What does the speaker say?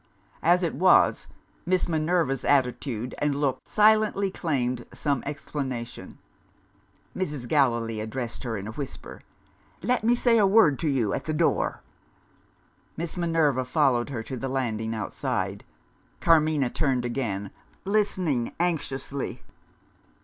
As it was, Miss Minerva's attitude and look silently claimed some explanation. Mrs. Gallilee addressed her in a whisper. "Let me say a word to you at the door." Miss Minerva followed her to the landing outside. Carmina turned again, listening anxiously.